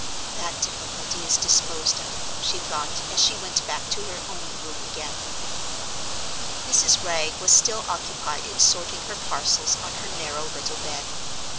"That difficulty is disposed of," she thought, as she went back to her own room again. Mrs. Wragge was still occupied in sorting her parcels on her narrow little bed.